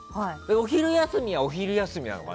お昼休みはお昼休みなのかな？